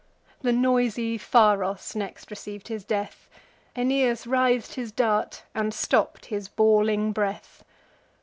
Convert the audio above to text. The noisy Pharos next receiv'd his death: Aeneas writh'd his dart, and stopp'd his bawling breath.